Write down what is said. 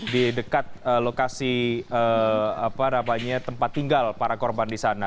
di dekat lokasi tempat tinggal para korban di sana